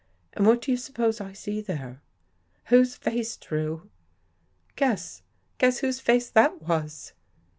And what do you suppose I see there? Whose face, Drew? Guess — guess whose face that was."